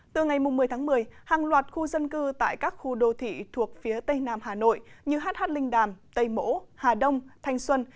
từ ngày một mươi tháng một mươi hàng loạt khu dân cư tại các khu đô thị thuộc phía tây nam hà nội như hh linh đàm tây mỗ hà đông thanh xuân